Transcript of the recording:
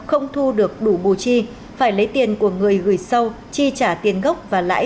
không thu được đủ bù chi phải lấy tiền của người gửi sau chi trả tiền gốc và lãi